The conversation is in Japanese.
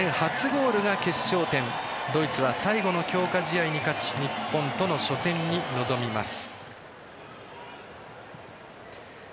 ドイツは最後の強化試合に勝ち日本との初戦に臨みます。